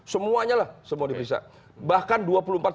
semuanya lah semua diperiksa bahkan